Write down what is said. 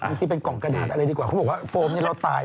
นี่เป็นกล่องกระดาษอะไรดีกว่าเค้าบอกว่าโฟมนี่เราตายไปแล้ว